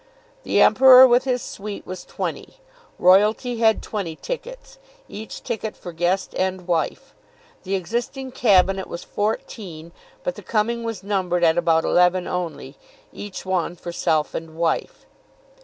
The Emperor with his suite was twenty. Royalty had twenty tickets, each ticket for guest and wife. The existing Cabinet was fourteen; but the coming was numbered at about eleven only; each one for self and wife.